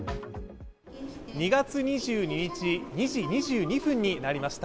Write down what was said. ２月２２日、２時２２分になりました。